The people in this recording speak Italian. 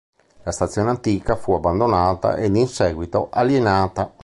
La stazione antica fu abbandonata ed in seguito alienata.